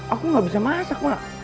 aku tidak bisa masak mak